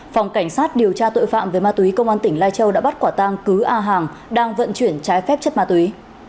phòng cảnh sát điều tra tội phạm về ma túy công an tỉnh lai châu đã bắt quả tang cứ a hàng đang vận chuyển trái phép chất ma túy